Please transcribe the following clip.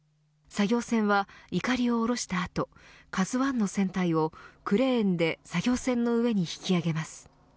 作業船は、いかりを降ろした後ＫＡＺＵ１の船体をクレーンで作業船の上に引き揚げます。